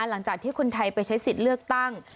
หลังจากที่คนไทยไปใช้สิทธิ์เลือกตั้ง